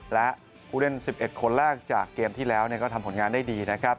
และผู้เล่น๑๑คนแรกจากเกมที่แล้วก็ทำผลงานได้ดีนะครับ